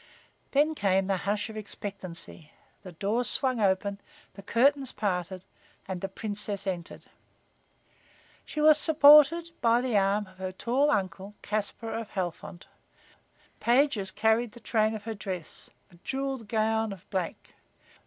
Then came the hush of expectancy. The doors swung open, the curtains parted and the Princess entered. She was supported by the arm of her tall uncle, Caspar of Halfont. Pages carried the train of her dress, a jeweled gown of black.